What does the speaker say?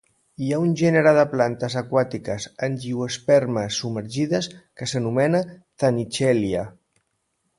Hi un gènere de plantes aquàtiques angiospermes submergides que s'anomena "Zannichellia".